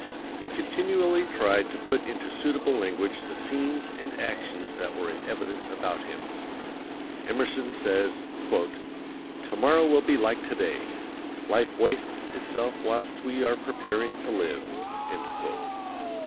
He continually tried to put into suitable language the scenes and actions that were in evidence about him. Emerson says: "Tomorrow will be like today. Life wastes itself whilst we are preparing to live."